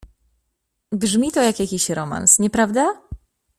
Brzmi to jak jakiś romans, nieprawda?